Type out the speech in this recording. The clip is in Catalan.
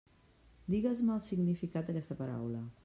Digues-me el significat d'aquesta paraula.